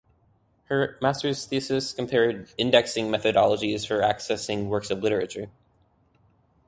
Her Master's thesis compared indexing methodologies for accessing works of literature.